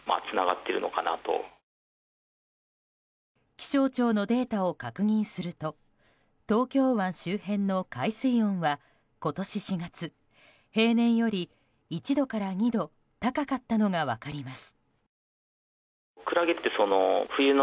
気象庁のデータを確認すると東京湾周辺の海水温は今年４月、平年より１度から２度高かったのが分かります。